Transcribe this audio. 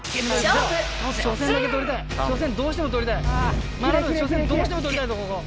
まなぶ初戦どうしても取りたいぞ